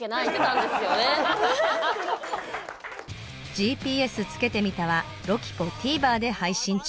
『ＧＰＳつけてみた』はＬｏｃｉｐｏＴＶｅｒで配信中